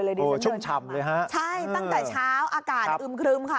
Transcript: สรุปฉ่ำเลยใช่ตั้งแต่เช้าอากาศอึ้มครึ่มคะ